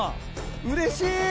うれしい！